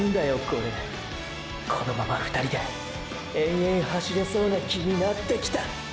このまま２人で延々走れそうな気になってきた！！